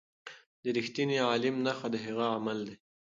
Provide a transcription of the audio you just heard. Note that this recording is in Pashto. د رښتیني عالم نښه د هغه عمل دی.